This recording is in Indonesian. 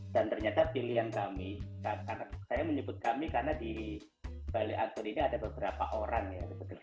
dan ternyata pilihan kami saya menyebut kami karena di bali akun ini ada beberapa orang ya